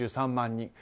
４３万人。